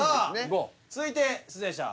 続いて出題者。